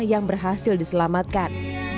yang berhasil diselamatkan